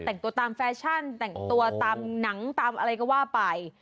แต่งตัวตามแฟชั่นแต่งตัวตามหนังตามอะไรก็ว่าไป